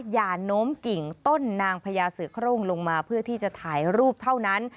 อย่าโน้มกิ่งต้นนางพญาเสือโครงลงมาเพื่อที่จะถ่ายรูปเท่านั้น